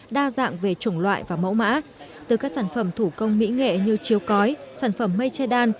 đa dạng về chủng loại và mẫu mã từ các sản phẩm thủ công mỹ nghệ như chiếu cói sản phẩm mây che đan